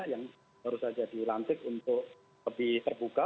yang baru saja dilantik untuk lebih terbuka